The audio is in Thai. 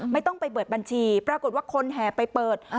ไม่ต้องไปเปิดบัญชีปรากฏว่าคนแห่ไปเปิด